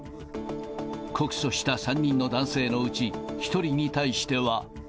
告訴した３人の男性のうち、１人に対しては。